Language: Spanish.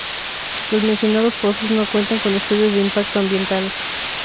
Los mencionados pozos no cuentan con estudios de impacto ambiental.